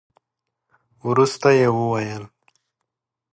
وروسته يې وويل.